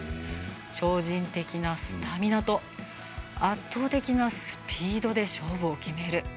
超人的なスタミナと圧倒的なスピードで勝負を決める。